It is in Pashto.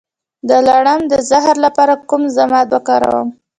د لړم د زهر لپاره کوم ضماد وکاروم؟